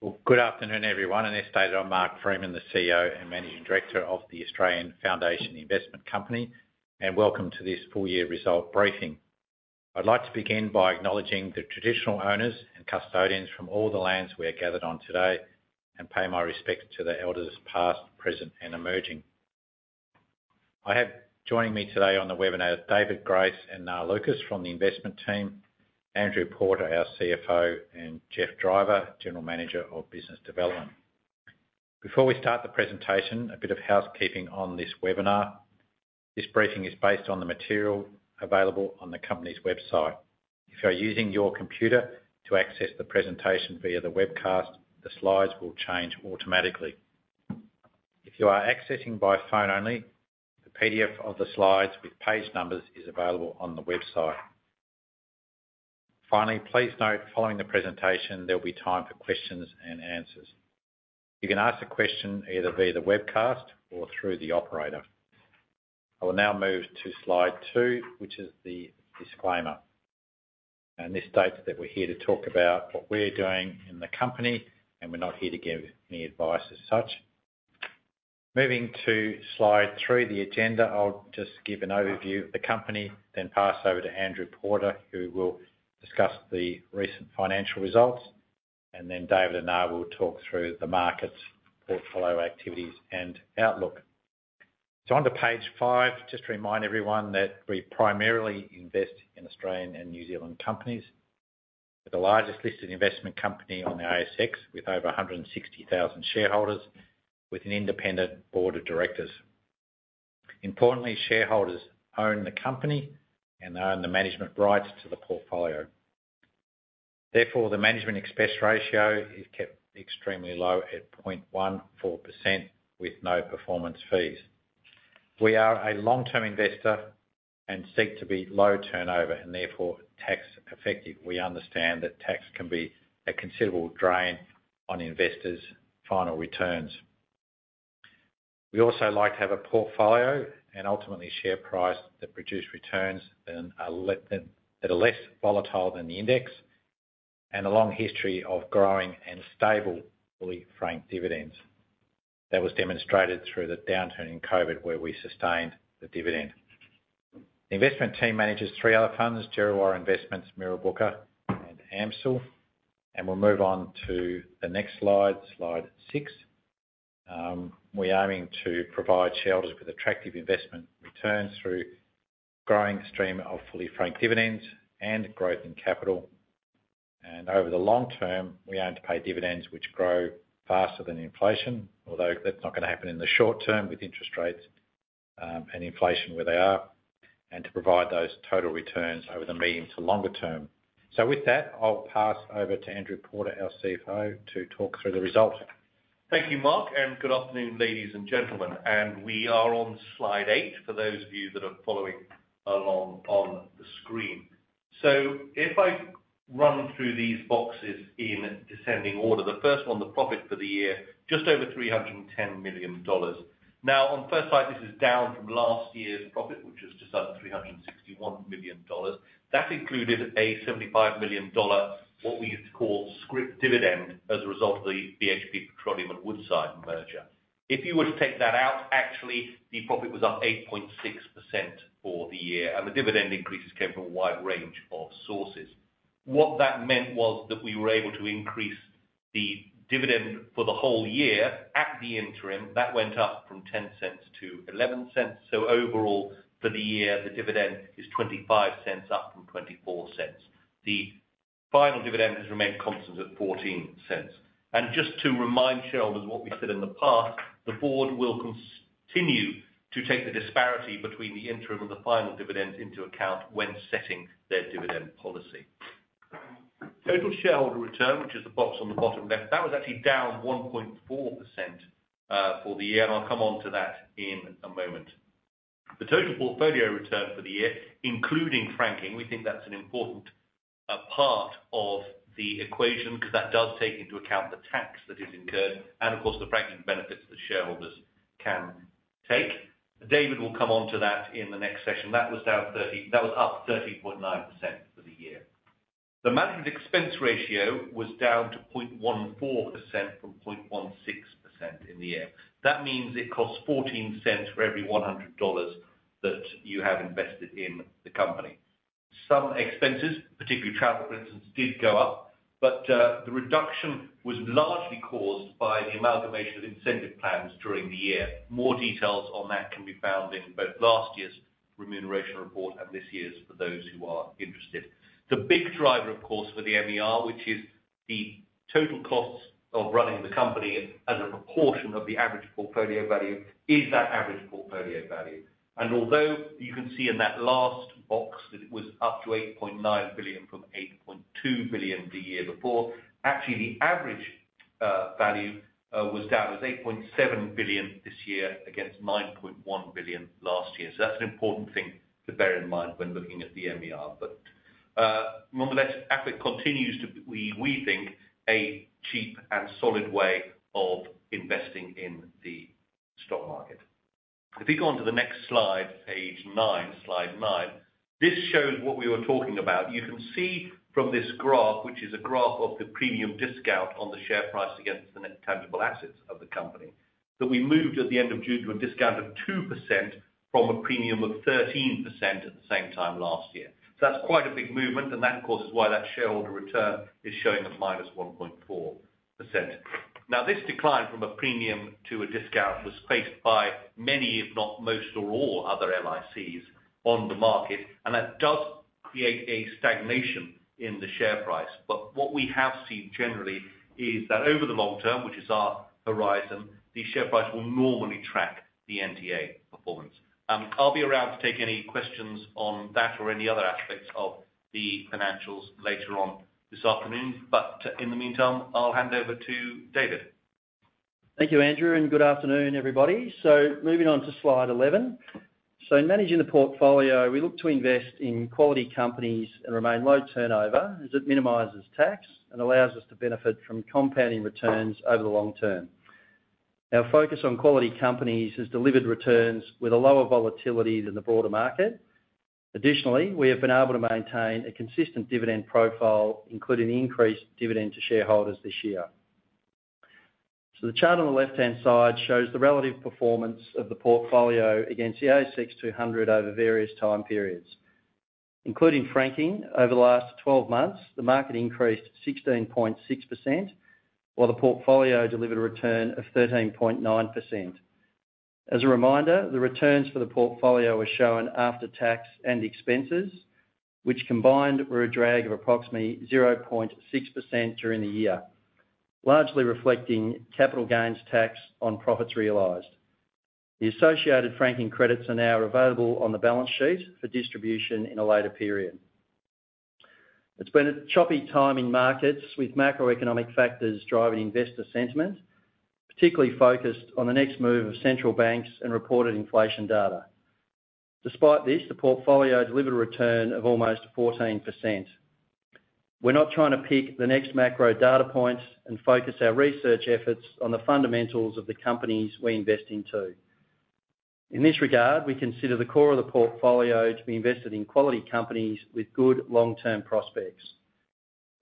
Well, good afternoon, everyone, and as stated, I'm Mark Freeman, the CEO and Managing Director of the Australian Foundation Investment Company, and welcome to this full year result briefing. I'd like to begin by acknowledging the traditional owners and custodians from all the lands we are gathered on today, and pay my respects to the elders, past, present, and emerging. I have joining me today on the webinar, David Grace and Nga Lucas from the investment team, Andrew Porter, our CFO, and Geoff Driver, General Manager of Business Development. Before we start the presentation, a bit of housekeeping on this webinar. This briefing is based on the material available on the company's website. If you are using your computer to access the presentation via the webcast, the slides will change automatically. Please note, following the presentation, there'll be time for questions and answers. You can ask a question either via the webcast or through the operator. I will now move to slide 2, which is the disclaimer. This states that we're here to talk about what we're doing in the company, and we're not here to give any advice as such. Moving to slide 3, the agenda, I'll just give an overview of the company, then pass over to Andrew Porter, who will discuss the recent financial results. Then David and I will talk through the markets, portfolio activities, and outlook. On to page 5, just to remind everyone that we primarily invest in Australian and New Zealand companies. We're the largest listed investment company on the ASX, with over 160,000 shareholders, with an independent board of directors. Importantly, shareholders own the company and own the management rights to the portfolio. Therefore, the management expense ratio is kept extremely low at 0.14%, with no performance fees. We are a long-term investor and seek to be low turnover and therefore, tax effective. We understand that tax can be a considerable drain on investors' final returns. We also like to have a portfolio and ultimately share price, that produce returns than that are less volatile than the index, and a long history of growing and stable fully franked dividends. That was demonstrated through the downturn in COVID, where we sustained the dividend. The investment team manages 3 other funds, Djerriwarrh Investments, Mirrabooka, and AMCIL. We'll move on to the next slide 6. We're aiming to provide shareholders with attractive investment returns through growing stream of fully franked dividends and growth in capital. Over the long term, we aim to pay dividends which grow faster than inflation, although that's not gonna happen in the short term with interest rates and inflation where they are, and to provide those total returns over the medium to longer term. With that, I'll pass over to Andrew Porter, our CFO, to talk through the results. Thank you, Mark, good afternoon, ladies and gentlemen, we are on slide 8 for those of you that are following along on the screen. If I run through these boxes in descending order, the first one, the profit for the year, just over $310 million. On first sight, this is down from last year's profit, which was just under $361 million. That included an $75 million, what we used to call scrip dividend, as a result of the BHP Petroleum and Woodside merger. If you were to take that out, actually, the profit was up 8.6% for the year, the dividend increases came from a wide range of sources. What that meant was that we were able to increase the dividend for the whole year at the interim. That went up from $0.10 to $0.11. Overall, for the year, the dividend is $0.25, up from $0.24. The final dividend has remained constant at $0.14. Just to remind shareholders of what we said in the past, the board will continue to take the disparity between the interim and the final dividend into account when setting their dividend policy. Total shareholder return, which is the box on the bottom left, that was actually down 1.4% for the year. I'll come on to that in a moment. The total portfolio return for the year, including franking, we think that's an important part of the equation, because that does take into account the tax that is incurred. Of course, the franking benefits the shareholders can take. David will come on to that in the next session. That was up 30.9% for the year. The management expense ratio was down to 0.14% from 0.16% in the year. That means it costs $0.14 for every $100 that you have invested in the company. Some expenses, particularly travel, for instance, did go up, but the reduction was largely caused by the amalgamation of incentive plans during the year. More details on that can be found in both last year's remuneration report and this year's, for those who are interested. The big driver, of course, for the MER, which is the total costs of running the company as a proportion of the average portfolio value, is that average portfolio value. Although you can see in that last box that it was up to $8.9 billion from $8.2 billion the year before, actually, the average value was down. It was $8.7 billion this year against $9.1 billion last year. That's an important thing to bear in mind when looking at the MER. Nonetheless, AFIC continues to be, we think, a cheap and solid way of investing in the stock market. If you go on to the next slide, page 9, slide 9, this shows what we were talking about. You can see from this graph, which is a graph of the premium discount on the share price against the net tangible assets of the company, that we moved at the end of June to a discount of 2% from a premium of 13% at the same time last year. That's quite a big movement, and that, of course, is why that shareholder return is showing a -1.4%. This decline from a premium to a discount was faced by many, if not most, or all other LICs on the market, and that does create a stagnation in the share price. What we have seen generally is that over the long term, which is our horizon, the share price will normally track the NTA performance. I'll be around to take any questions on that or any other aspects of the financials later on this afternoon. In the meantime, I'll hand over to David. Thank you, Andrew, good afternoon, everybody. Moving on to slide 11. In managing the portfolio, we look to invest in quality companies and remain low turnover, as it minimizes tax and allows us to benefit from compounding returns over the long term. Our focus on quality companies has delivered returns with a lower volatility than the broader market. Additionally, we have been able to maintain a consistent dividend profile, including increased dividend to shareholders this year. The chart on the left-hand side shows the relative performance of the portfolio against the ASX 200 over various time periods. Including franking, over the last 12 months, the market increased 16.6%, while the portfolio delivered a return of 13.9%. As a reminder, the returns for the portfolio are shown after tax and expenses, which combined, were a drag of approximately 0.6% during the year, largely reflecting capital gains tax on profits realized. The associated franking credits are now available on the balance sheet for distribution in a later period. It's been a choppy time in markets, with macroeconomic factors driving investor sentiment, particularly focused on the next move of central banks and reported inflation data. Despite this, the portfolio delivered a return of almost 14%. We're not trying to pick the next macro data points and focus our research efforts on the fundamentals of the companies we invest into. In this regard, we consider the core of the portfolio to be invested in quality companies with good long-term prospects.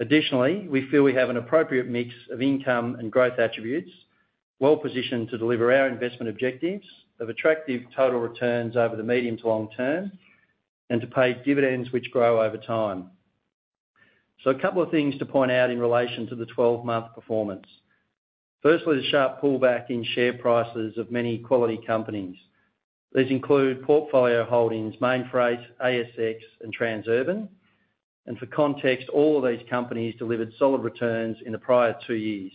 Additionally, we feel we have an appropriate mix of income and growth attributes, well-positioned to deliver our investment objectives of attractive total returns over the medium to long term, and to pay dividends which grow over time. A couple of things to point out in relation to the 12-month performance. Firstly, the sharp pullback in share prices of many quality companies. These include portfolio holdings, Mainfreight, ASX and Transurban. For context, all of these companies delivered solid returns in the prior two years.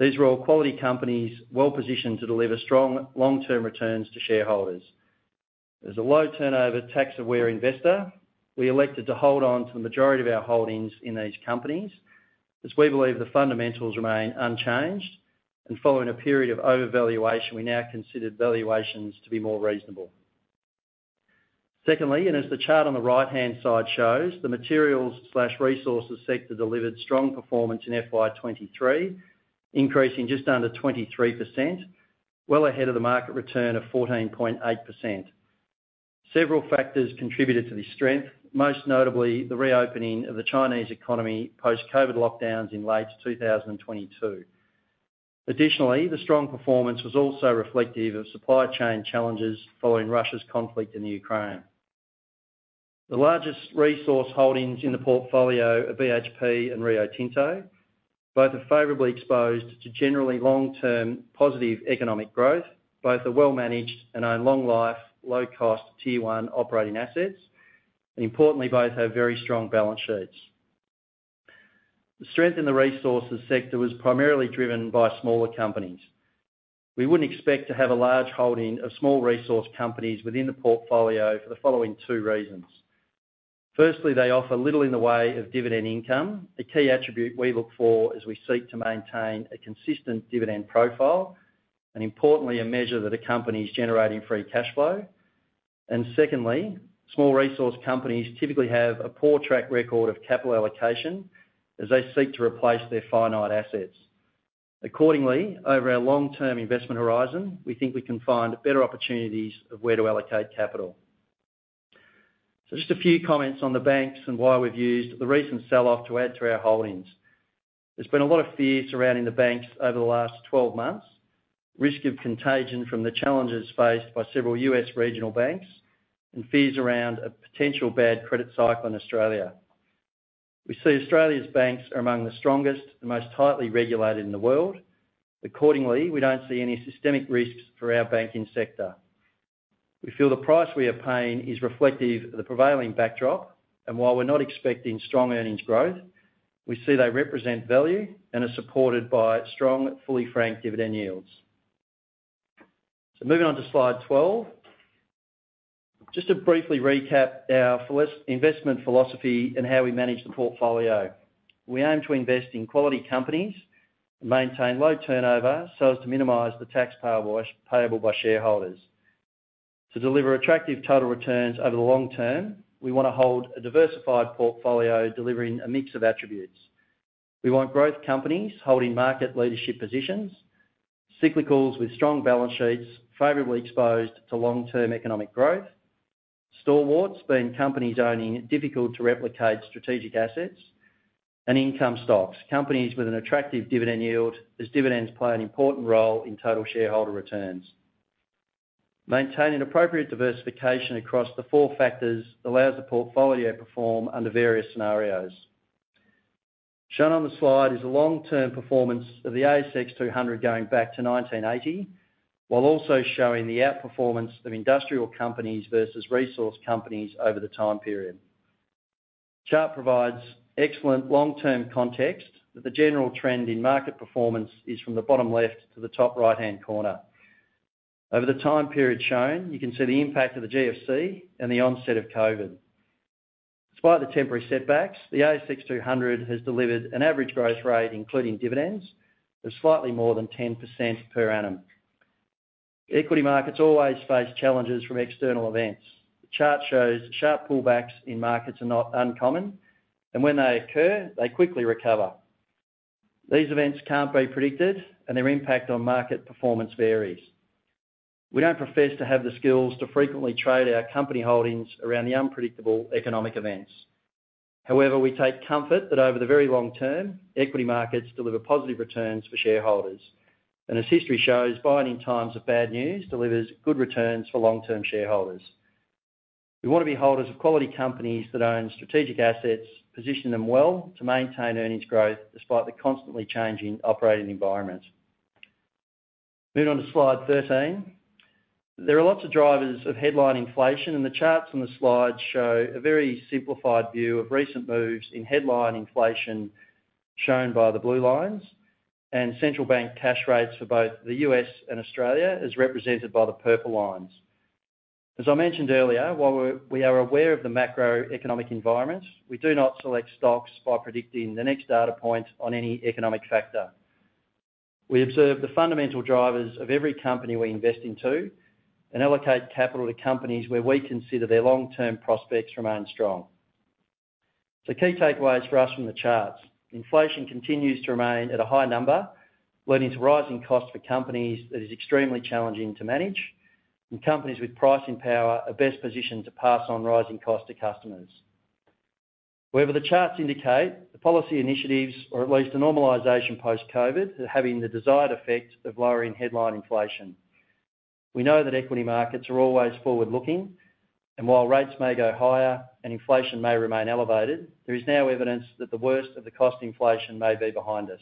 These were all quality companies, well-positioned to deliver strong long-term returns to shareholders. As a low-turnover, tax-aware investor, we elected to hold on to the majority of our holdings in these companies, as we believe the fundamentals remain unchanged. Following a period of overvaluation, we now consider valuations to be more reasonable. Secondly, as the chart on the right-hand side shows, the materials/resources sector delivered strong performance in FY 2023, increasing just under 23%, well ahead of the market return of 14.8%. Several factors contributed to the strength, most notably the reopening of the Chinese economy post-COVID lockdowns in late 2022. Additionally, the strong performance was also reflective of supply chain challenges following Russia's conflict in the Ukraine. The largest resource holdings in the portfolio are BHP and Rio Tinto. Both are favorably exposed to generally long-term positive economic growth. Both are well managed and own long-life, low-cost Tier 1 operating assets, and importantly, both have very strong balance sheets. The strength in the resources sector was primarily driven by smaller companies. We wouldn't expect to have a large holding of small resource companies within the portfolio for the following two reasons: firstly, they offer little in the way of dividend income, a key attribute we look for as we seek to maintain a consistent dividend profile, and importantly, a measure that a company is generating free cash flow. Secondly, small resource companies typically have a poor track record of capital allocation as they seek to replace their finite assets. Accordingly, over our long-term investment horizon, we think we can find better opportunities of where to allocate capital. Just a few comments on the banks and why we've used the recent sell-off to add to our holdings. There's been a lot of fear surrounding the banks over the last 12 months, risk of contagion from the challenges faced by several U.S. regional banks, and fears around a potential bad credit cycle in Australia. We see Australia's banks are among the strongest and most tightly regulated in the world. Accordingly, we don't see any systemic risks for our banking sector. We feel the price we are paying is reflective of the prevailing backdrop, and while we're not expecting strong earnings growth, we see they represent value and are supported by strong, fully frank dividend yields. Moving on to slide 12. Just to briefly recap our investment philosophy and how we manage the portfolio. We aim to invest in quality companies and maintain low turnover, so as to minimize the tax payable by shareholders. To deliver attractive total returns over the long term, we want to hold a diversified portfolio, delivering a mix of attributes. We want growth companies holding market leadership positions, cyclicals with strong balance sheets favorably exposed to long-term economic growth. Stalwarts, being companies owning difficult-to-replicate strategic assets and income stocks, companies with an attractive dividend yield, as dividends play an important role in total shareholder returns. Maintaining appropriate diversification across the four factors allows the portfolio to perform under various scenarios. Shown on the slide is a long-term performance of the ASX 200 going back to 1980, while also showing the outperformance of industrial companies versus resource companies over the time period. Chart provides excellent long-term context that the general trend in market performance is from the bottom left to the top right-hand corner. Over the time period shown, you can see the impact of the GFC and the onset of COVID. Despite the temporary setbacks, the ASX 200 has delivered an average growth rate, including dividends, of slightly more than 10% per annum. Equity markets always face challenges from external events. The chart shows sharp pullbacks in markets are not uncommon, and when they occur, they quickly recover. These events can't be predicted, and their impact on market performance varies. We don't profess to have the skills to frequently trade our company holdings around the unpredictable economic events. However, we take comfort that over the very long term, equity markets deliver positive returns for shareholders. As history shows, buying in times of bad news delivers good returns for long-term shareholders. We want to be holders of quality companies that own strategic assets, position them well to maintain earnings growth despite the constantly changing operating environment. Moving on to slide 13. There are lots of drivers of headline inflation, the charts on the slide show a very simplified view of recent moves in headline inflation, shown by the blue lines, and central bank cash rates for both the U.S. and Australia, as represented by the purple lines. As I mentioned earlier, while we are aware of the macroeconomic environment, we do not select stocks by predicting the next data point on any economic factor. We observe the fundamental drivers of every company we invest into and allocate capital to companies where we consider their long-term prospects remain strong. The key takeaways for us from the charts: inflation continues to remain at a high number, leading to rising costs for companies that is extremely challenging to manage, and companies with pricing power are best positioned to pass on rising costs to customers. The charts indicate the policy initiatives, or at least a normalization post-COVID, are having the desired effect of lowering headline inflation. We know that equity markets are always forward-looking, and while rates may go higher and inflation may remain elevated, there is now evidence that the worst of the cost inflation may be behind us.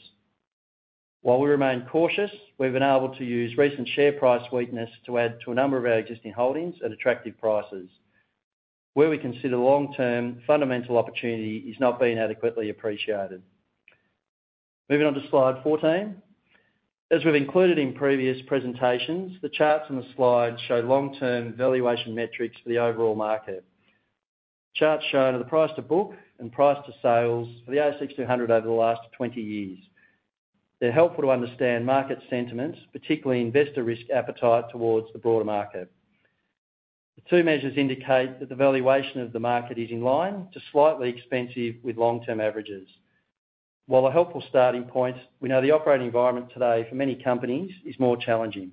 While we remain cautious, we've been able to use recent share price weakness to add to a number of our existing holdings at attractive prices, where we consider long-term fundamental opportunity is not being adequately appreciated. Moving on to slide 14. As we've included in previous presentations, the charts on the slide show long-term valuation metrics for the overall market. Charts shown are the price-to-book and price to sales for the ASX 200 over the last 20 years. They're helpful to understand market sentiments, particularly investor risk appetite towards the broader market. The two measures indicate that the valuation of the market is in line to slightly expensive with long-term averages. While a helpful starting point, we know the operating environment today for many companies is more challenging.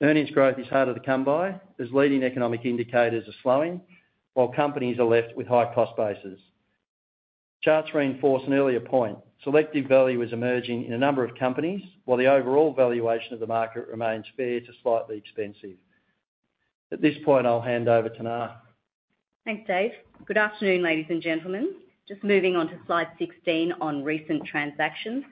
Earnings growth is harder to come by, as leading economic indicators are slowing, while companies are left with high cost bases. Charts reinforce an earlier point: selective value is emerging in a number of companies, while the overall valuation of the market remains fair to slightly expensive. At this point, I'll hand over to Nga. Thanks, Dave. Good afternoon, ladies and gentlemen. Just moving on to slide 16 on recent transactions.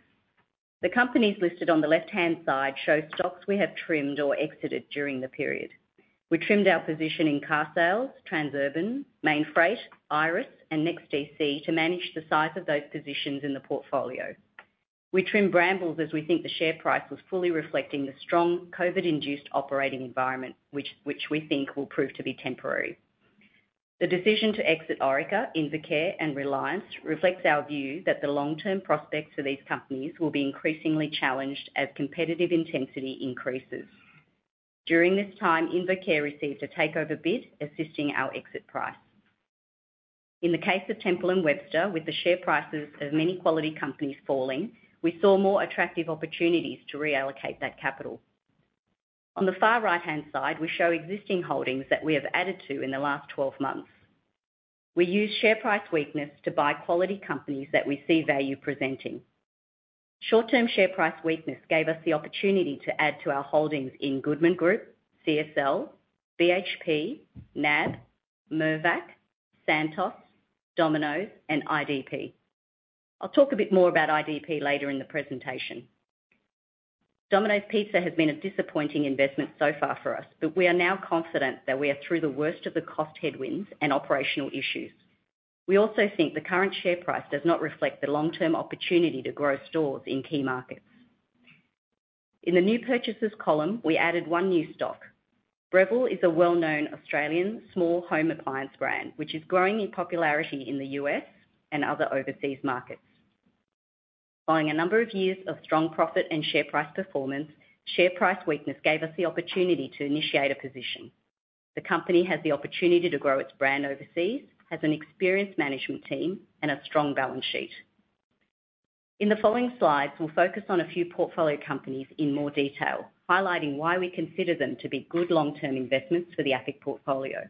The companies listed on the left-hand side show stocks we have trimmed or exited during the period. We trimmed our position in carsales, Transurban, Mainfreight, Iress, and NEXTDC to manage the size of those positions in the portfolio. We trimmed Brambles as we think the share price was fully reflecting the strong COVID-induced operating environment, which we think will prove to be temporary. The decision to exit Orica, InvoCare, and Reliance reflects our view that the long-term prospects for these companies will be increasingly challenged as competitive intensity increases. During this time, InvoCare received a takeover bid, assisting our exit price. In the case of Temple & Webster, with the share prices of many quality companies falling, we saw more attractive opportunities to reallocate that capital. On the far right-hand side, we show existing holdings that we have added to in the last 12 months. We used share price weakness to buy quality companies that we see value presenting. Short-term share price weakness gave us the opportunity to add to our holdings in Goodman Group, CSL, BHP, NAB, Mirvac, Santos, Domino's, and IDP. I'll talk a bit more about IDP later in the presentation. Domino's Pizza has been a disappointing investment so far for us. We are now confident that we are through the worst of the cost headwinds and operational issues. We also think the current share price does not reflect the long-term opportunity to grow stores in key markets. In the new purchases column, we added one new stock. Breville is a well-known Australian small home appliance brand, which is growing in popularity in the U.S. and other overseas markets. Following a number of years of strong profit and share price performance, share price weakness gave us the opportunity to initiate a position. The company has the opportunity to grow its brand overseas, has an experienced management team, and a strong balance sheet. In the following slides, we'll focus on a few portfolio companies in more detail, highlighting why we consider them to be good long-term investments for the AFIC portfolio.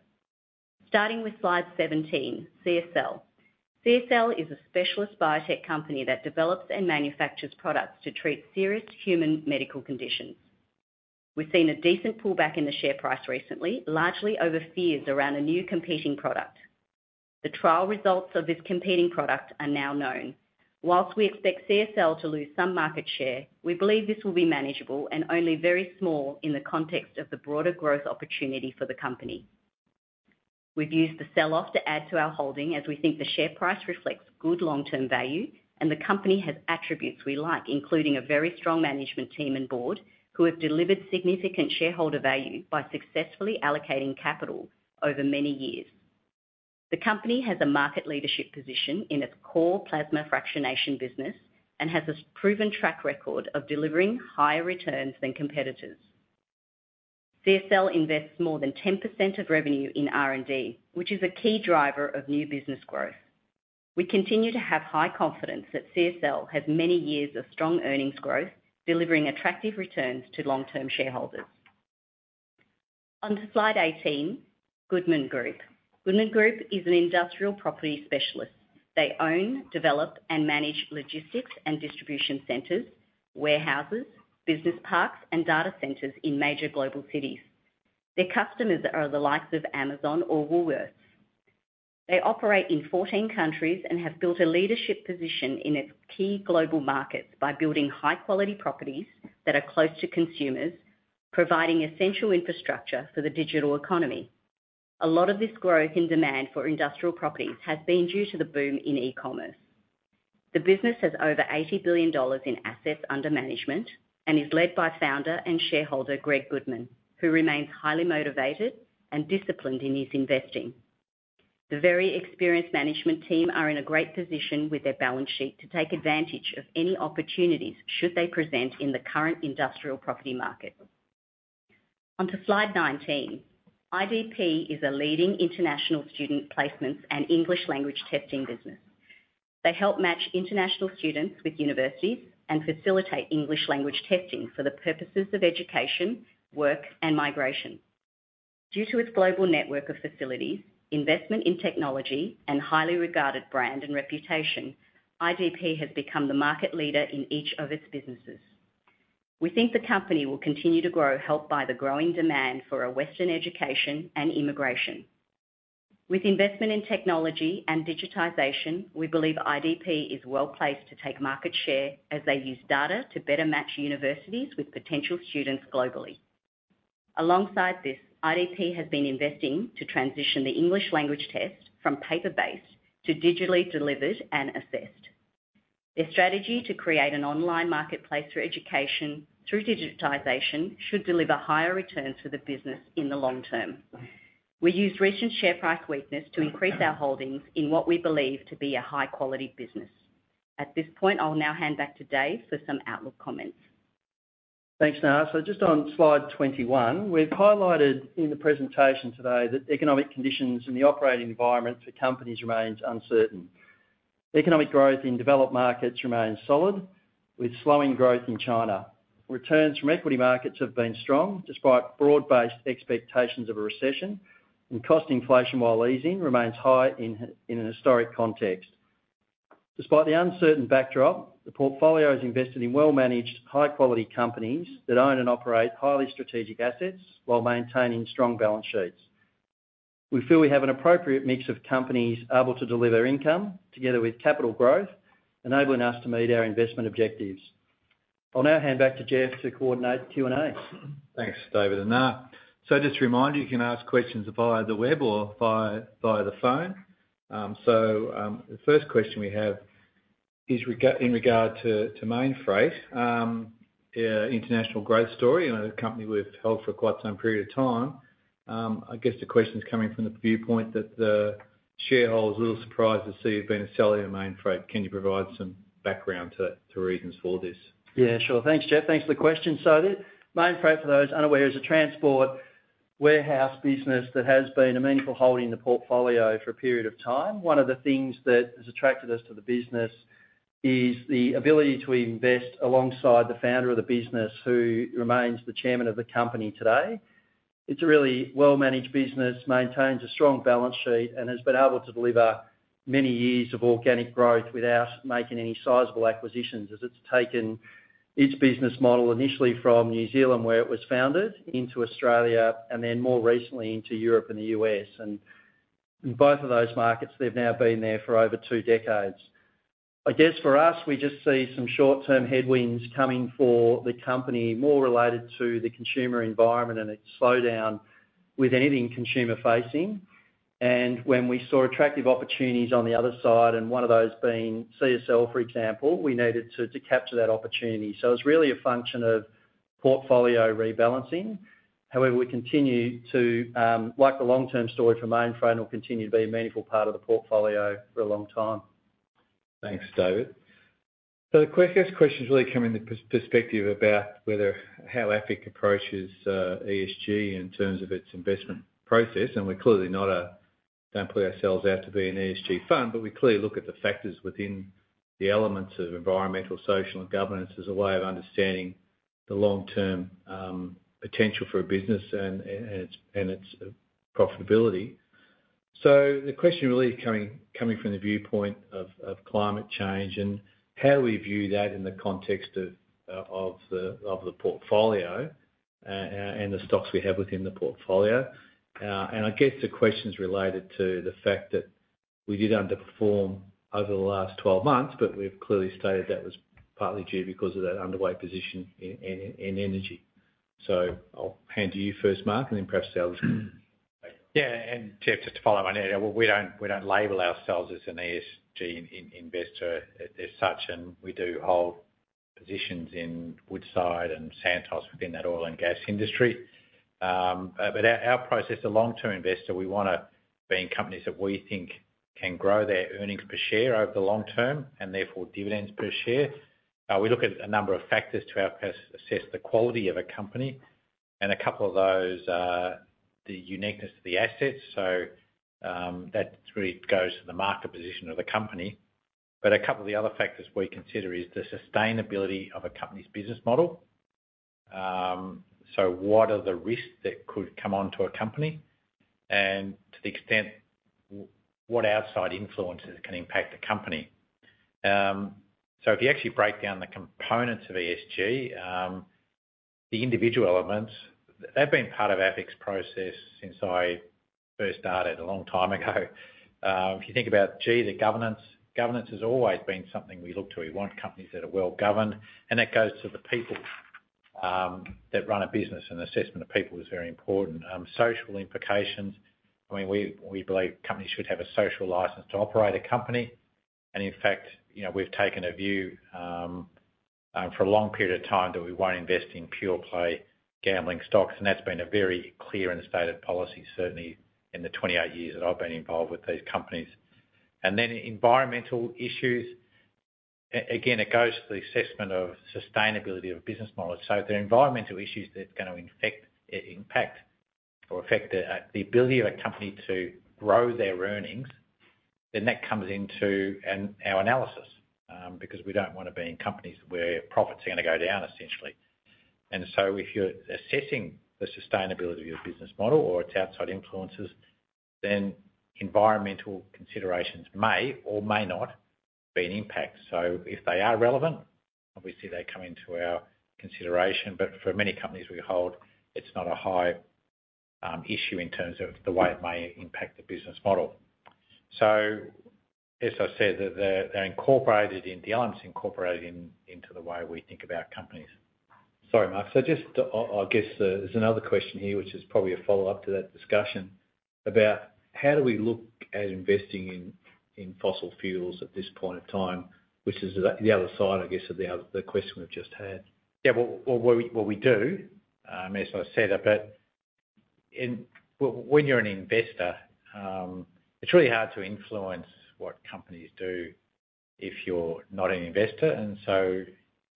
Starting with Slide 17, CSL. CSL is a specialist biotech company that develops and manufactures products to treat serious human medical conditions. We've seen a decent pullback in the share price recently, largely over fears around a new competing product. The trial results of this competing product are now known. Whilst we expect CSL to lose some market share, we believe this will be manageable and only very small in the context of the broader growth opportunity for the company. We've used the sell-off to add to our holding, as we think the share price reflects good long-term value, and the company has attributes we like, including a very strong management team and board, who have delivered significant shareholder value by successfully allocating capital over many years. The company has a market leadership position in its core plasma fractionation business and has a proven track record of delivering higher returns than competitors. CSL invests more than 10% of revenue in R&D, which is a key driver of new business growth. We continue to have high confidence that CSL has many years of strong earnings growth, delivering attractive returns to long-term shareholders. On to Slide 18, Goodman Group. Goodman Group is an industrial property specialist. They own, develop, and manage logistics and distribution centers, warehouses, business parks, and data centers in major global cities. Their customers are the likes of Amazon or Woolworths. They operate in 14 countries and have built a leadership position in its key global markets by building high-quality properties that are close to consumers, providing essential infrastructure for the digital economy. A lot of this growth in demand for industrial properties has been due to the boom in e-commerce. The business has over $80 billion in assets under management and is led by founder and shareholder, Greg Goodman, who remains highly motivated and disciplined in his investing. The very experienced management team are in a great position with their balance sheet to take advantage of any opportunities should they present in the current industrial property market. On to Slide 19. IDP is a leading international student placements and English language testing business. They help match international students with universities and facilitate English language testing for the purposes of education, work, and migration. Due to its global network of facilities, investment in technology, and highly regarded brand and reputation, IDP has become the market leader in each of its businesses. We think the company will continue to grow, helped by the growing demand for a Western education and immigration. With investment in technology and digitization, we believe IDP is well-placed to take market share as they use data to better match universities with potential students globally. Alongside this, IDP has been investing to transition the English language test from paper-based to digitally delivered and assessed. Their strategy to create an online marketplace through education, through digitization, should deliver higher returns for the business in the long term. We used recent share price weakness to increase our holdings in what we believe to be a high-quality business. At this point, I'll now hand back to David for some outlook comments. Thanks, Nga. Just on Slide 21, we've highlighted in the presentation today that economic conditions and the operating environment for companies remains uncertain. Economic growth in developed markets remains solid, with slowing growth in China. Returns from equity markets have been strong, despite broad-based expectations of a recession, and cost inflation, while easing, remains high in a historic context. Despite the uncertain backdrop, the portfolio is invested in well-managed, high-quality companies that own and operate highly strategic assets while maintaining strong balance sheets. We feel we have an appropriate mix of companies able to deliver income together with capital growth, enabling us to meet our investment objectives. I'll now hand back to Geoff to coordinate the Q&A. Thanks, David and Nga. Just to remind you can ask questions via the web or via the phone. The first question we have is in regard to Mainfreight, a international growth story, and a company we've held for quite some period of time. I guess the question is coming from the viewpoint that the shareholder is a little surprised to see you've been selling your Mainfreight. Can you provide some background to reasons for this? Yeah, sure. Thanks, Geoff. Thanks for the question. The Mainfreight, for those unaware, is a transport warehouse business that has been a meaningful holding in the portfolio for a period of time. One of the things that has attracted us to the business is the ability to invest alongside the founder of the business, who remains the chairman of the company today. It's a really well-managed business, maintains a strong balance sheet, and has been able to deliver many years of organic growth without making any sizable acquisitions, as it's taken its business model initially from New Zealand, where it was founded, into Australia, and then more recently into Europe and the U.S. In both of those markets, they've now been there for over two decades. I guess, for us, we just see some short-term headwinds coming for the company, more related to the consumer environment and its slowdown with anything consumer facing. When we saw attractive opportunities on the other side, and one of those being CSL, for example, we needed to capture that opportunity. It's really a function of portfolio rebalancing. We continue to like the long-term story for Mainfreight, and will continue to be a meaningful part of the portfolio for a long time. Thanks, David. The quick first question is really coming to perspective about whether, how AFIC approaches ESG in terms of its investment process, and we don't put ourselves out to be an ESG fund, but we clearly look at the factors within the elements of environmental, social, and governance as a way of understanding the long-term potential for a business and its profitability. The question really is coming from the viewpoint of climate change, and how we view that in the context of the portfolio, and the stocks we have within the portfolio. I guess the question's related to the fact that we did underperform over the last 12 months, but we've clearly stated that was partly due because of that underweight position in energy. I'll hand to you first, Mark, and then perhaps the others. Yeah, Geoff, just to follow on there, we don't label ourselves as an ESG investor as such, and we do hold positions in Woodside and Santos within that oil and gas industry. Our process as a long-term investor, we wanna be in companies that we think can grow their earnings per share over the long term, and therefore, dividends per share. We look at a number of factors to help us assess the quality of a company, a couple of those are the uniqueness of the assets, so that really goes to the market position of the company. A couple of the other factors we consider is the sustainability of a company's business model. What are the risks that could come onto a company? To the extent, what outside influences can impact the company? If you actually break down the components of ESG, the individual elements, they've been part of AFIC's process since I first started, a long time ago. If you think about G, the governance has always been something we look to. We want companies that are well-governed, and that goes to the people that run a business, and assessment of people is very important. Social implications, I mean, we believe companies should have a social license to operate a company. In fact, you know, we've taken a view for a long period of time, that we won't invest in pure play gambling stocks, and that's been a very clear and stated policy, certainly in the 28 years that I've been involved with these companies. Environmental issues, again, it goes to the assessment of sustainability of business models. If there are environmental issues that's gonna impact or affect the ability of a company to grow their earnings, then that comes into our analysis because we don't wanna be in companies where profits are gonna go down, essentially. If you're assessing the sustainability of your business model or its outside influences, then environmental considerations may or may not be an impact. If they are relevant, obviously, they come into our consideration, but for many companies we hold, it's not a high issue in terms of the way it may impact the business model. As I said, the elements are incorporated in, into the way we think about companies. Sorry, Mark. Just to, I'll guess, there's another question here, which is probably a follow-up to that discussion, about: How do we look at investing in fossil fuels at this point in time? Which is the other side, I guess, of the other question we've just had. Yeah, we do, as I said, but in. When you're an investor, it's really hard to influence what companies do if you're not an investor.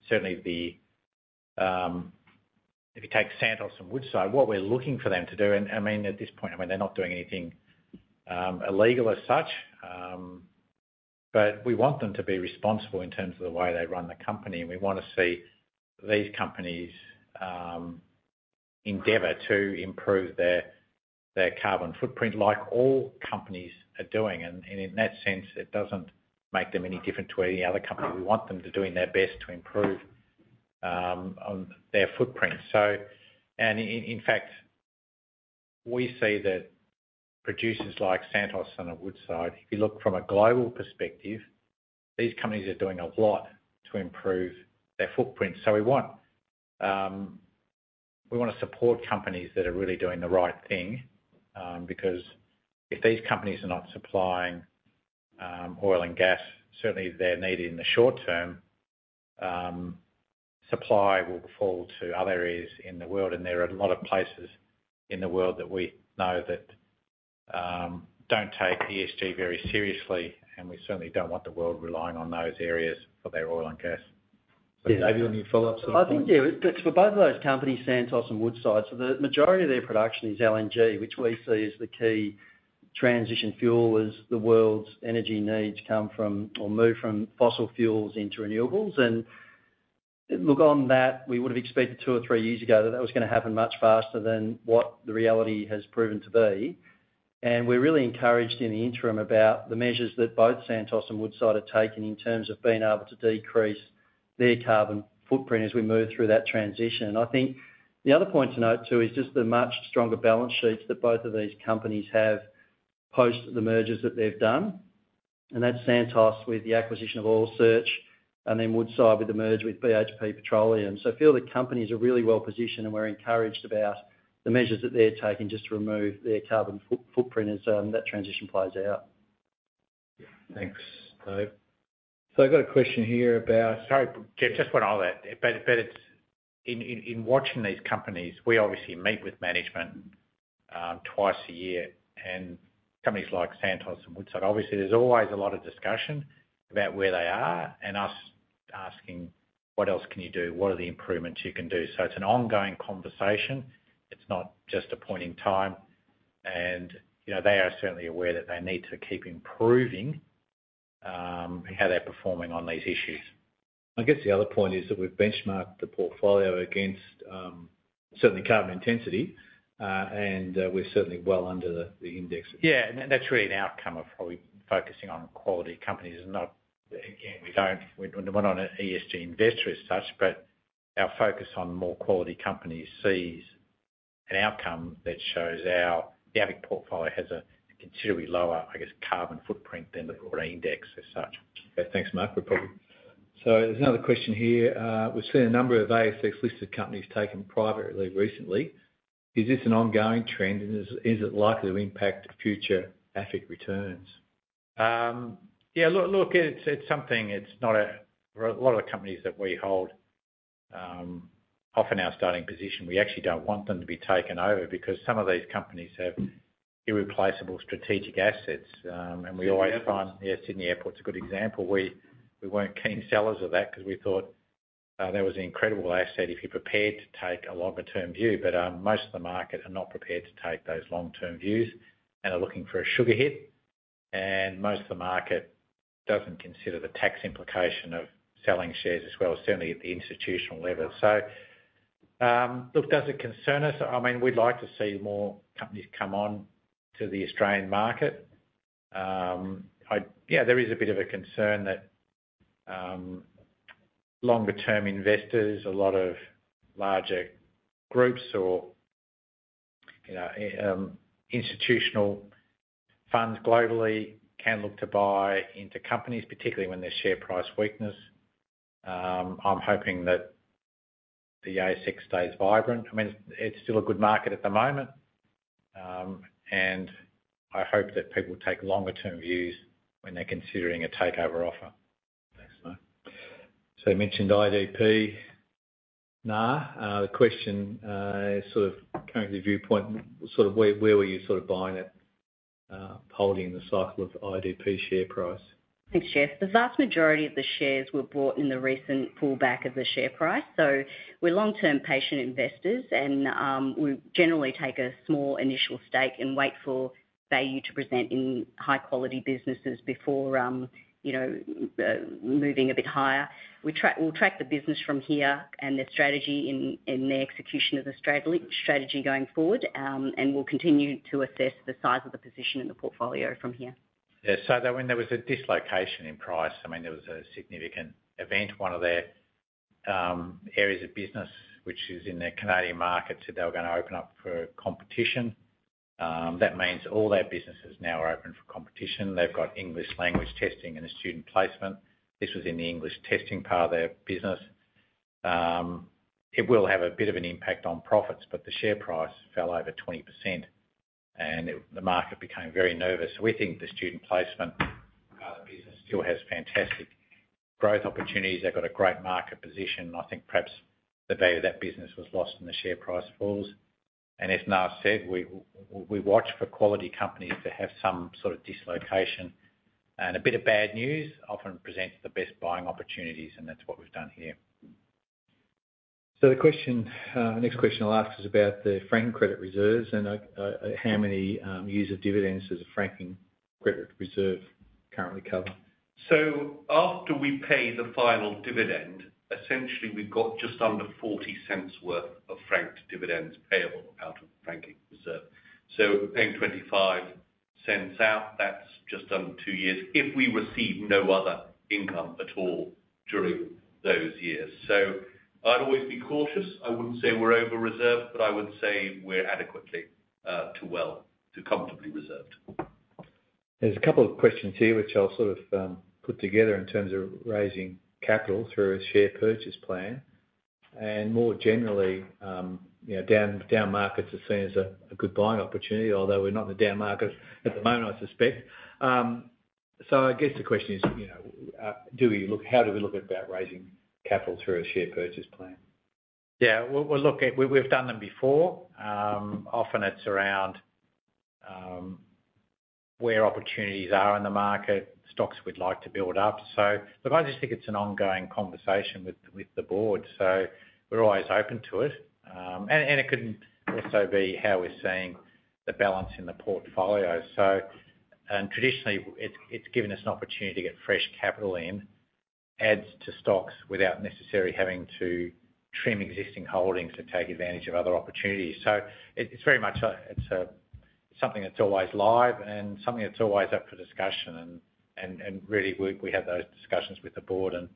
Certainly, the, if you take Santos and Woodside, what we're looking for them to do, and, I mean, at this point, I mean, they're not doing anything illegal as such, but we want them to be responsible in terms of the way they run the company, and we want to see these companies endeavor to improve their carbon footprint, like all companies are doing. In that sense, it doesn't make them any different to any other company. We want them to doing their best to improve on their footprint. In fact, we see that producers like Santos and Woodside, if you look from a global perspective, these companies are doing a lot to improve their footprint. We want to support companies that are really doing the right thing, because if these companies are not supplying oil and gas, certainly they're needed in the short term, supply will fall to other areas in the world, and there are a lot of places in the world that we know that don't take ESG very seriously, and we certainly don't want the world relying on those areas for their oil and gas. Yeah, David, any follow-up to that point? I think, yeah, it's for both of those companies, Santos and Woodside. The majority of their production is LNG, which we see as the key transition fuel as the world's energy needs come from or move from fossil fuels into renewables. Look on that, we would have expected two or three years ago that that was going to happen much faster than what the reality has proven to be. We're really encouraged in the interim about the measures that both Santos and Woodside have taken in terms of being able to decrease their carbon footprint as we move through that transition. I think the other point to note, too, is just the much stronger balance sheets that both of these companies have post the mergers that they've done, and that's Santos with the acquisition of Oil Search, and then Woodside with the merge with BHP Petroleum. I feel the companies are really well positioned, and we're encouraged about the measures that they're taking just to remove their carbon footprint as that transition plays out. Thanks, Dave. I've got a question here about. Sorry, Geoff, just one other. It's in watching these companies, we obviously meet with management twice a year. Companies like Santos and Woodside. Obviously, there's always a lot of discussion about where they are and us asking: What else can you do? What are the improvements you can do? It's an ongoing conversation. It's not just a point in time. You know, they are certainly aware that they need to keep improving how they're performing on these issues. I guess the other point is that we've benchmarked the portfolio against certainly carbon intensity, and we're certainly well under the index. That's really an outcome of probably focusing on quality companies. Again, we don't, we're not an ESG investor as such, but our focus on more quality companies sees an outcome that shows our, the AFIC portfolio has a considerably lower, I guess, carbon footprint than the broader index as such. Thanks, Mark. There's another question here. We've seen a number of ASX-listed companies taken privately recently. Is this an ongoing trend, and is it likely to impact future AFIC returns? Yeah, look, it's something, it's not For a lot of the companies that we hold, off in our starting position, we actually don't want them to be taken over because some of these companies have irreplaceable strategic assets. We always find. Sydney Airport. Yeah, Sydney Airport is a good example. We weren't keen sellers of that because we thought that was an incredible asset if you're prepared to take a longer-term view. Most of the market are not prepared to take those long-term views and are looking for a sugar hit, most of the market doesn't consider the tax implication of selling shares as well, certainly at the institutional level. Look, does it concern us? I mean, we'd like to see more companies come on to the Australian market. Yeah, there is a bit of a concern that longer-term investors, a lot of larger groups or, you know, institutional funds globally, can look to buy into companies, particularly when there's share price weakness. I'm hoping that the ASX stays vibrant. I mean, it's still a good market at the moment. I hope that people take longer-term views when they're considering a takeover offer. Thanks, Mark. You mentioned IDP Nga. The question is sort of currently viewpoint, sort of where were you sort of buying it, holding the cycle of IDP share price? Thanks, Geoff. The vast majority of the shares were bought in the recent pullback of the share price. We're long-term patient investors, and we generally take a small initial stake and wait for value to present in high-quality businesses before, you know, moving a bit higher. We'll track the business from here and their strategy in their execution of the strategy going forward, and we'll continue to assess the size of the position in the portfolio from here. Yeah, when there was a dislocation in price, I mean, there was a significant event. One of their areas of business, which is in the Canadian market, said they were gonna open up for competition. That means all their businesses now are open for competition. They've got English language testing and a student placement. This was in the English testing part of their business. It will have a bit of an impact on profits, but the share price fell over 20%, and the market became very nervous. We think the student placement part of the business still has fantastic growth opportunities. They've got a great market position, and I think perhaps the value of that business was lost in the share price falls. As Naa said, we watch for quality companies to have some sort of dislocation. A bit of bad news often presents the best buying opportunities. That's what we've done here. The question, next question I'll ask is about the franking credit reserves and, how many years of dividends does the franking credit reserve currently cover? After we pay the final dividend, essentially, we've got just under $0.40 worth of franked dividends payable out of the franking reserve. We're paying $0.25 out, that's just under two years, if we receive no other income at all during those years. I'd always be cautious. I wouldn't say we're over-reserved, but I would say we're adequately to well, to comfortably reserved. There's 2 questions here, which I'll sort of put together in terms of raising capital through a share purchase plan. More generally, you know, down markets are seen as a good buying opportunity, although we're not in a down market at the moment, I suspect. I guess the question is, you know, how do we look about raising capital through a share purchase plan? Yeah, we'll look at. We've done them before. Often it's around where opportunities are in the market, stocks we'd like to build up. But I just think it's an ongoing conversation with the Board. We're always open to it. And it could also be how we're seeing the balance in the portfolio. And traditionally, it's given us an opportunity to get fresh capital in, adds to stocks without necessarily having to trim existing holdings to take advantage of other opportunities. It's very much a, it's something that's always live and something that's always up for discussion, and really, we have those discussions with the Board, and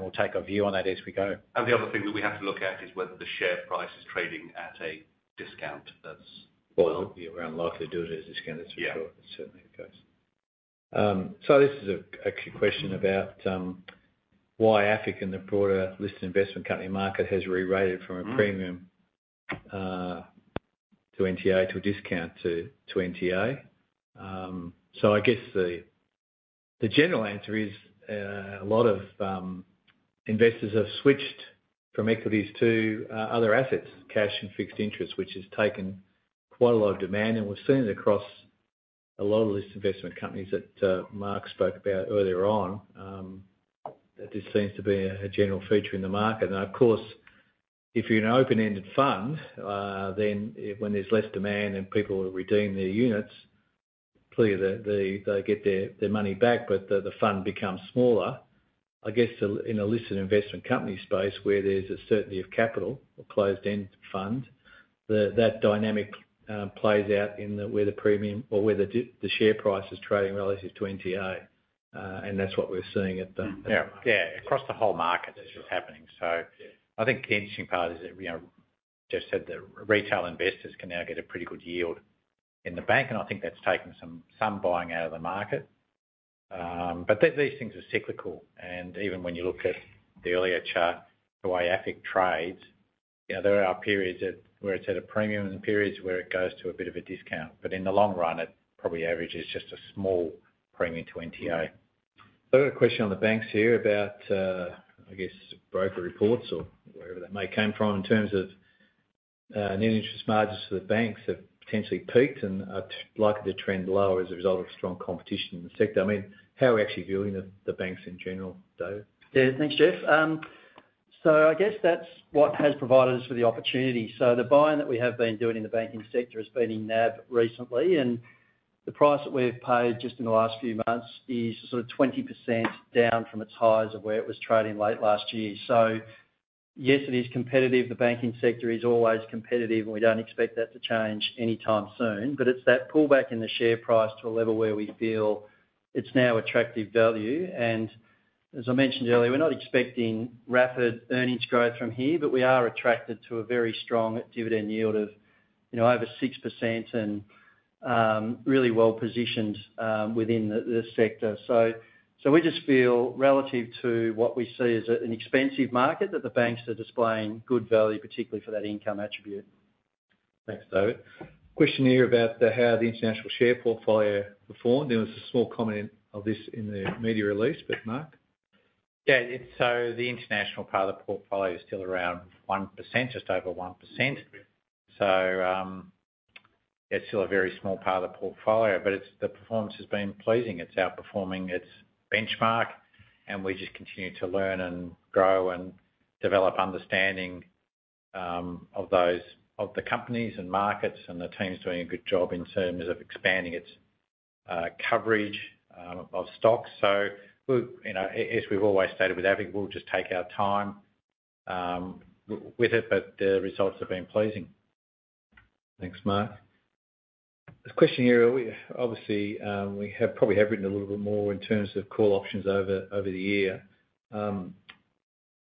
we'll take a view on that as we go. The other thing that we have to look at is whether the share price is trading at a discount. Well, we're unlikely to do it at a discount. Yeah. That's for sure. It certainly the case. This is a key question about why AFIC and the broader listed investment company market has rerated from a premium to NTA to a discount to NTA. I guess the general answer is a lot of investors have switched from equities to other assets, cash and fixed interest, which has taken quite a lot of demand, and we're seeing it across a lot of these investment companies that Mark spoke about earlier on. That this seems to be a general feature in the market. Of course, if you're an open-ended fund, then when there's less demand and people redeem their units, clearly, they get their money back, but the fund becomes smaller. I guess, in a listed investment company space, where there's a certainty of capital, a closed-end fund, that dynamic plays out where the premium or where the share price is trading relative to NTA, and that's what we're seeing. Yeah. Yeah, across the whole market, this is happening. Yeah. I think the interesting part is that, you know, just said that retail investors can now get a pretty good yield in the bank, and I think that's taken some buying out of the market. These things are cyclical, and even when you look at the earlier chart, the way AFIC trades, you know, there are periods where it's at a premium and periods where it goes to a bit of a discount. In the long run, it probably averages just a small premium to NTA. I've got a question on the banks here about, I guess, broker reports or wherever that may came from, in terms of net interest margins for the banks have potentially peaked and are likely to trend lower as a result of strong competition in the sector. I mean, how are we actually viewing the banks in general, David? Thanks, Geoff. I guess that's what has provided us with the opportunity. The buying that we have been doing in the banking sector has been in NAB recently, and the price that we've paid just in the last few months is sort of 20% down from its highs of where it was trading late last year. Yes, it is competitive. The banking sector is always competitive, and we don't expect that to change anytime soon. It's that pullback in the share price to a level where we feel it's now attractive value, and as I mentioned earlier, we're not expecting rapid earnings growth from here, but we are attracted to a very strong dividend yield of, you know, over 6% and really well positioned within the sector. So we just feel relative to what we see as an expensive market, that the banks are displaying good value, particularly for that income attribute. Thanks, David. Question here about how the international share portfolio performed. There was a small comment of this in the media release. Mark? Yeah, it's the international part of the portfolio is still around 1%, just over 1%. It's still a very small part of the portfolio, but the performance has been pleasing. It's outperforming its benchmark. We just continue to learn and grow and develop understanding of the companies and markets, and the team's doing a good job in terms of expanding its coverage of stocks. We'll, you know, as we've always stated with AFIC, we'll just take our time with it, but the results have been pleasing. Thanks, Mark. There's a question here. Obviously, we have probably written a little bit more in terms of call options over the year.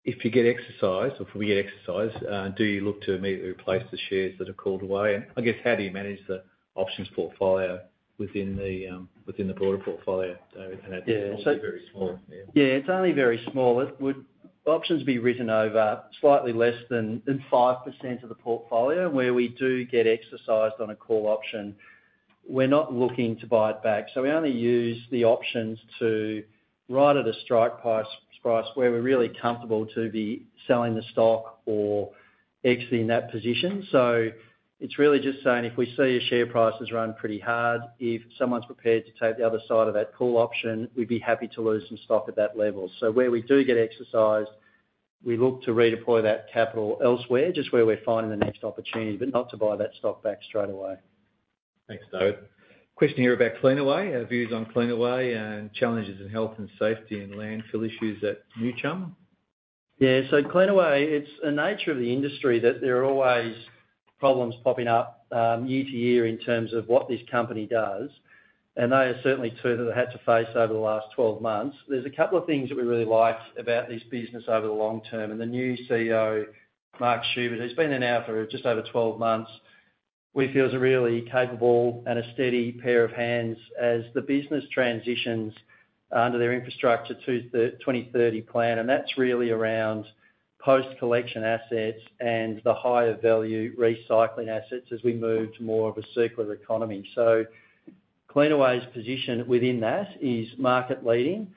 If you get exercise, or if we get exercise, do you look to immediately replace the shares that are called away? I guess, how do you manage the options portfolio within the within the broader portfolio, David? Yeah. Very small, yeah. It's only very small. Options be written over slightly less than 5% of the portfolio, where we do get exercised on a call option. We're not looking to buy it back, so we only use the options to write at a strike price where we're really comfortable to be selling the stock or exiting that position. It's really just saying if we see a share price has run pretty hard, if someone's prepared to take the other side of that call option, we'd be happy to lose some stock at that level. Where we do get exercised, we look to redeploy that capital elsewhere, just where we're finding the next opportunity, but not to buy that stock back straight away. Thanks, David. Question here about Cleanaway, our views on Cleanaway, and challenges in health and safety and landfill issues at New Chum. Cleanaway, it's a nature of the industry that there are always problems popping up, year to year in terms of what this company does, and they are certainly two that they had to face over the last 12 months. There's a couple of things that we really liked about this business over the long term. The new CEO, Mark Schubert, who's been in now for just over 12 months, we feel is a really capable and a steady pair of hands as the business transitions under their infrastructure to 2030 plan. That's really around post-collection assets and the higher value recycling assets as we move to more of a circular economy. Cleanaway's position within that is market-leading,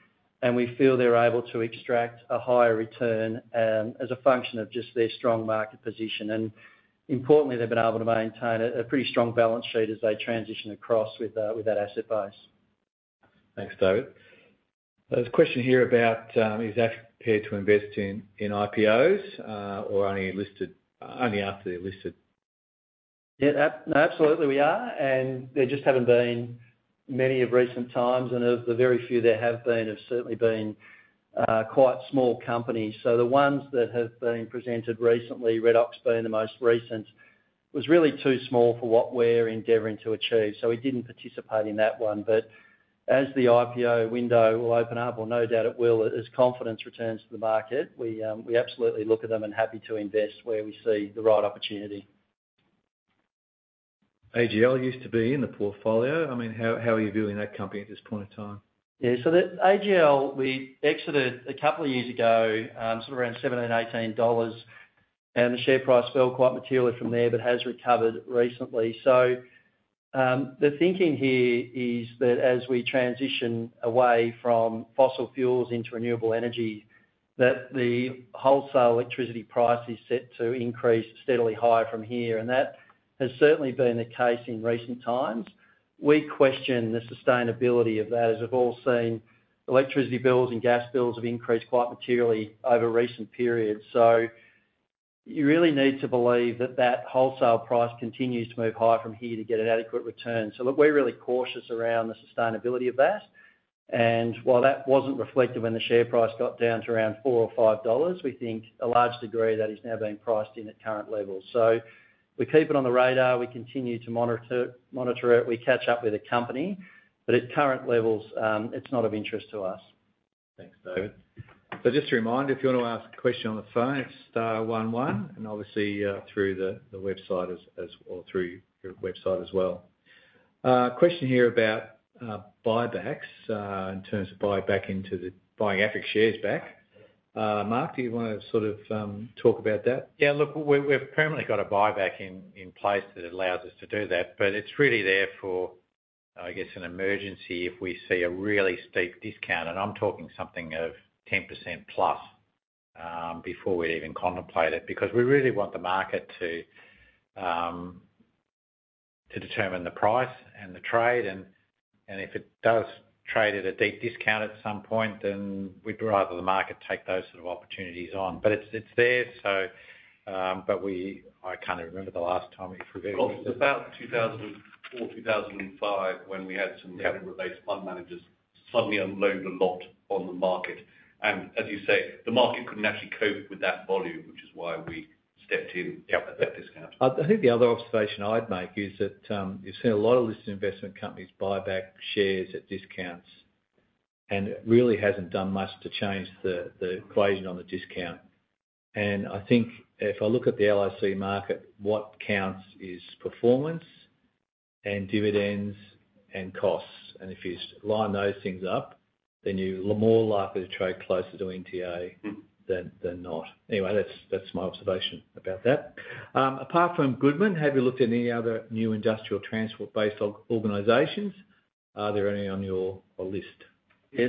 and we feel they're able to extract a higher return as a function of just their strong market position. Importantly, they've been able to maintain a pretty strong balance sheet as they transition across with that asset base. Thanks, David. There's a question here about, is AFIC prepared to invest in IPOs, or only after they're listed? Absolutely, we are, and there just haven't been many of recent times, and of the very few there have been, have certainly been quite small companies. The ones that have been presented recently, Redox being the most recent, was really too small for what we're endeavoring to achieve, so we didn't participate in that one. As the IPO window will open up, or no doubt it will, as confidence returns to the market, we absolutely look at them and happy to invest where we see the right opportunity. AGL used to be in the portfolio. I mean, how are you viewing that company at this point in time? The AGL, we exited a couple of years ago, sort of around $17 and $18. The share price fell quite materially from there, but has recovered recently. The thinking here is that as we transition away from fossil fuels into renewable energy, that the wholesale electricity price is set to increase steadily higher from here, and that has certainly been the case in recent times. We question the sustainability of that, as we've all seen electricity bills and gas bills have increased quite materially over recent periods. You really need to believe that that wholesale price continues to move higher from here to get an adequate return. look, we're really cautious around the sustainability of that, and while that wasn't reflected when the share price got down to around $4 or $5, we think a large degree of that is now being priced in at current levels. we keep it on the radar, we continue to monitor it. We catch up with the company, but at current levels, it's not of interest to us. Thanks, David. Just a reminder, if you want to ask a question on the phone, it's star one one, obviously, through the website as or through your website as well. Question here about buybacks, in terms of buying AFIC shares back. Mark, do you wanna sort of talk about that? Look, we've permanently got a buyback in place that allows us to do that. It's really there for, I guess, an emergency, if we see a really steep discount, and I'm talking something of 10% plus, before we'd even contemplate it. We really want the market to determine the price and the trade, and if it does trade at a deep discount at some point, we'd rather the market take those sort of opportunities on. It's there, so, I can't even remember the last time we prevented it. Well, it was about 2004, 2005. Yeah [inaudible] fund managers suddenly unload a lot on the market. As you say, the market couldn't actually cope with that volume, which is why we stepped in. Yep at that discount. I think the other observation I'd make is that you've seen a lot of listed investment companies buy back shares at discounts. It really hasn't done much to change the equation on the discount. I think if I look at the LIC market, what counts is performance, and dividends, and costs. If you line those things up, then you are more likely to trade closer to NTA. Mm-hmm Then not. Anyway, that's my observation about that. Apart from Goodman, have you looked at any other new industrial transport-based organizations? Are there any on your list? Yeah,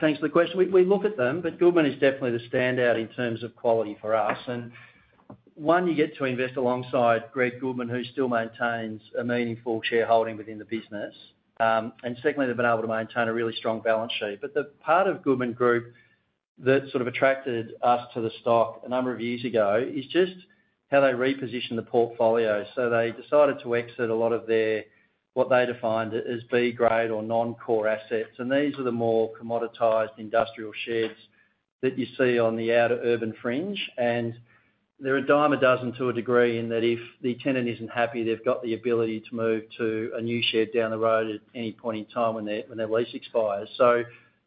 thanks for the question. We look at them, Goodman is definitely the standout in terms of quality for us, and one, you get to invest alongside Greg Goodman, who still maintains a meaningful shareholding within the business. Secondly, they've been able to maintain a really strong balance sheet. The part of Goodman Group that sort of attracted us to the stock a number of years ago, is just how they reposition the portfolio. They decided to exit a lot of their, what they defined as B-grade or non-core assets, and these are the more commoditized industrial sheds that you see on the outer urban fringe. They're a dime a dozen to a degree, in that if the tenant isn't happy, they've got the ability to move to a new shed down the road at any point in time when their lease expires.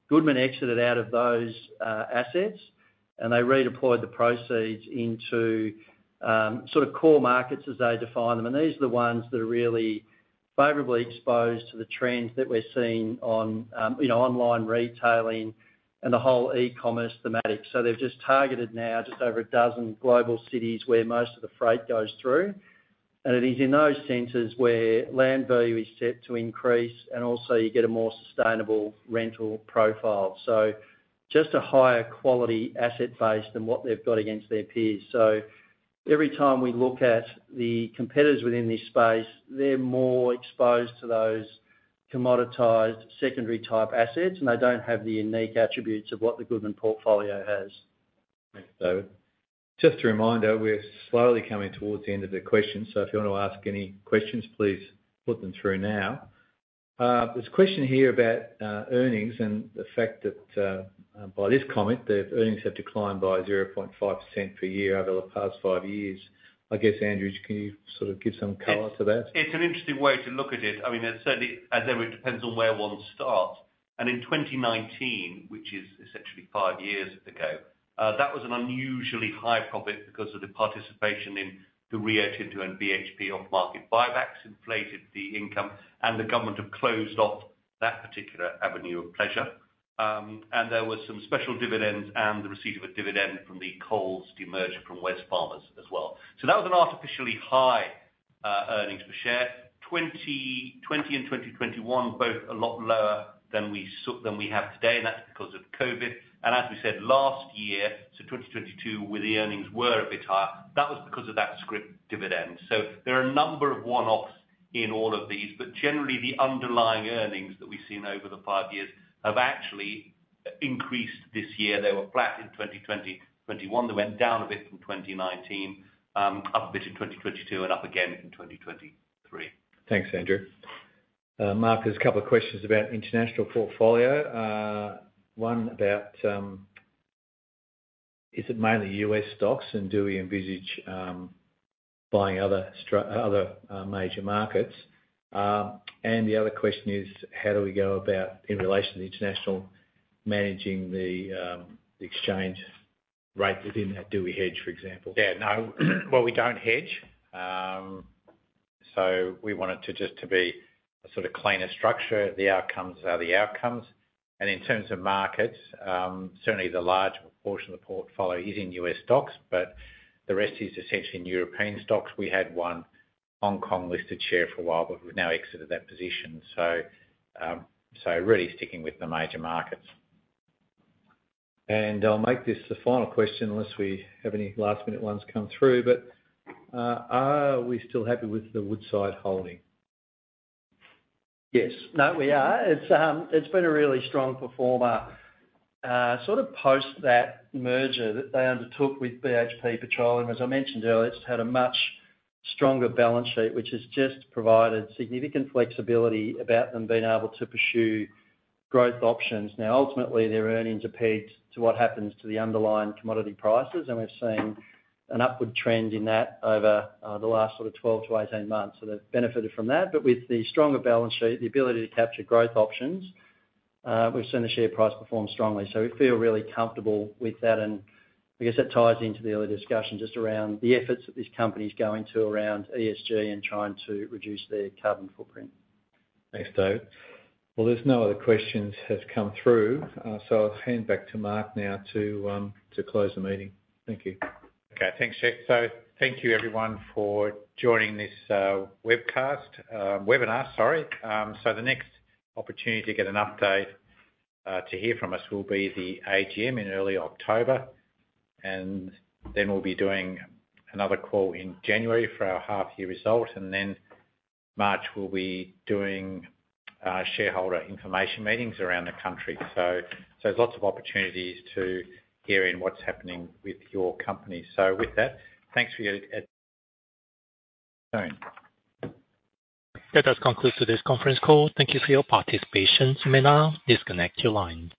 Goodman exited out of those assets, and they redeployed the proceeds into sort of core markets as they define them. These are the ones that are really favorably exposed to the trends that we're seeing on, you know, online retailing and the whole e-commerce thematic. They've just targeted now, just over a dozen global cities where most of the freight goes through. It is in those centers where land value is set to increase, and also you get a more sustainable rental profile. Just a higher quality asset base than what they've got against their peers. Every time we look at the competitors within this space, they're more exposed to those commoditized, secondary type assets, and they don't have the unique attributes of what the Goodman portfolio has. Thanks, David. Just a reminder, we're slowly coming towards the end of the questions. If you want to ask any questions, please put them through now. There's a question here about earnings. The fact that, by this comment, the earnings have declined by 0.5% per year over the past five years. I guess, Andrew, can you sort of give some color to that? It's an interesting way to look at it. I mean, it certainly, as ever, it depends on where one starts. In 2019, which is essentially 5 years ago, that was an unusually high profit because of the participation in the Rio Tinto and BHP off-market buybacks inflated the income, and the government have closed off that particular avenue of pleasure. There were some special dividends and the receipt of a dividend from the Coles demerger from Wesfarmers as well. That was an artificially high earnings per share. 2020 and 2021, both a lot lower than we have today, that's because of COVID. As we said last year, so 2022, where the earnings were a bit higher, that was because of that scrip dividend. There are a number of one-offs in all of these, but generally, the underlying earnings that we've seen over the five years have actually increased this year. They were flat in 2020, 2021, they went down a bit from 2019, up a bit in 2022, and up again in 2023. Thanks, Andrew. Mark, there's a couple of questions about international portfolio. One about, is it mainly U.S. stocks, and do we envisage buying other major markets? The other question is, how do we go about, in relation to international, managing the exchange rate within that? Do we hedge, for example? Yeah, no, well, we don't hedge. We want it to just to be a sort of cleaner structure. The outcomes are the outcomes. In terms of markets, certainly the large proportion of the portfolio is in U.S. stocks, but the rest is essentially in European stocks. We had one Hong Kong-listed share for a while, but we've now exited that position. So really sticking with the major markets. I'll make this the final question, unless we have any last minute ones come through, but, are we still happy with the Woodside holding? Yes. No, we are. It's been a really strong performer, sort of post that merger that they undertook with BHP Petroleum. As I mentioned earlier, it's had a much stronger balance sheet, which has just provided significant flexibility about them being able to pursue growth options. Ultimately, their earnings are pegged to what happens to the underlying commodity prices, and we've seen an upward trend in that over the last sort of 12 to 18 months. They've benefited from that. With the stronger balance sheet, the ability to capture growth options, we've seen the share price perform strongly. We feel really comfortable with that, I guess that ties into the earlier discussion just around the efforts that this company is going to around ESG and trying to reduce their carbon footprint. Thanks, Dave. There's no other questions have come through. I'll hand back to Mark now to close the meeting. Thank you. Okay, thanks, Geoff. Thank you everyone for joining this, webcast, webinar, sorry. The next opportunity to get an update to hear from us will be the AGM in early October. We'll be doing another call in January for our half year result. March, we'll be doing shareholder information meetings around the country. There's lots of opportunities to hear in what's happening with your company. That does conclude today's conference call. Thank you for your participation. You may now disconnect your line.